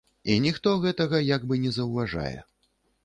І ніхто гэтага як бы не заўважае.